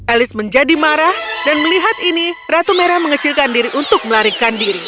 elis menjadi marah dan melihat ini ratu merah mengecilkan diri untuk melarikan diri